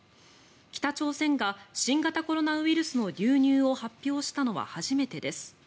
北朝鮮が新型コロナウイルスの流入を発表したのは初めてです。